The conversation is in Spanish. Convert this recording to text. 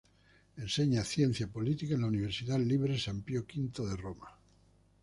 Enseña ciencia política en la Universidad Libre San Pío V de Roma.